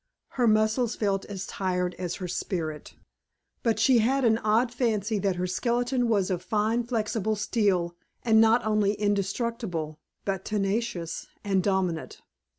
Her muscles felt as tired as her spirit, but she had an odd fancy that her skeleton was of fine flexible steel and not only indestructible but tenacious and dominant.